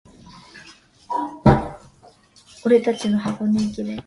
សួស្តី